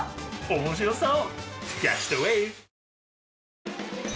面白そう！